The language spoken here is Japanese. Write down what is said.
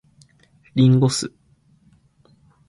林檎酢